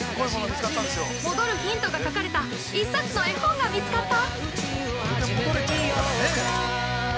◆戻るヒントが書かれた１冊の絵本が見つかった！？